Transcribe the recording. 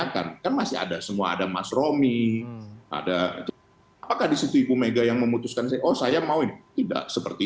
kan kan masih ada semua ada mas romi ada apakah disitu ibu mega yang memutuskan oh saya mau ini tidak seperti